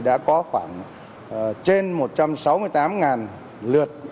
đã có khoảng trên một trăm sáu mươi tám lượt